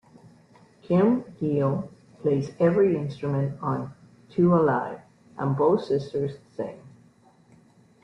'" Kim Deal plays every instrument on "Too Alive" and both sisters sing.